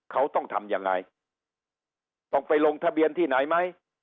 เขาต้องทำยังไงต้องไปลงทะเบียนที่ไหนไหม